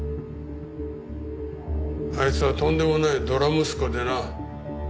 あいつはとんでもないドラ息子でな。